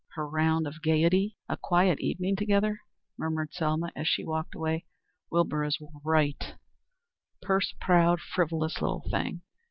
"'Her round of gayety! A quiet evening together!'" murmured Selma as she walked away. "Wilbur is right; purse proud, frivolous little thing!